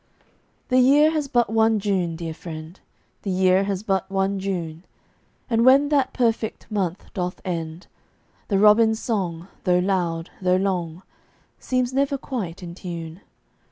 The year has but one June, dear friend; The year has but one June; And when that perfect month doth end, The robin's song, though loud, though long, Seems never quite in tune.